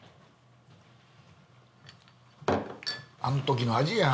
あん時の味や。